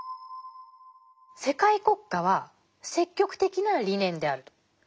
世界国家は「積極的な理念」であると。